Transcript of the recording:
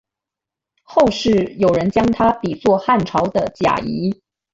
后世有人将他比作汉朝的贾谊。